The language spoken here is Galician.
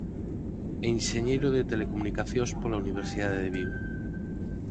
Enxeñeiro de telecomunicacións pola Universidade de Vigo.